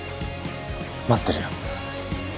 待ってるよ。